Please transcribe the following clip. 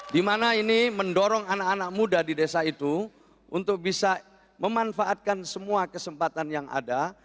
dimana ini mendorong anak anak muda di desa itu untuk bisa memanfaatkan semua kesempatan yang ada